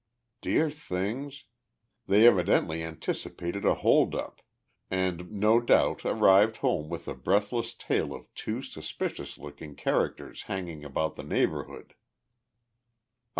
Dear things! they evidently anticipated a hold up, and no doubt arrived home with a breathless tale of two suspicious looking characters hanging about the neighbourhood.